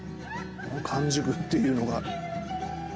完熟っていうのが。